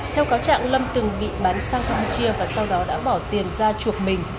theo cáo trạng lâm từng bị bán sang campuchia và sau đó đã bỏ tiền ra chuộc mình